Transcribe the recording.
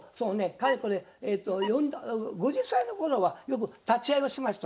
かれこれ５０歳の頃はよく立会をしました。